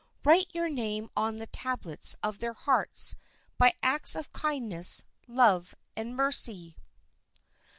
Write your name on the tablets of their hearts by acts of kindness, love, and mercy.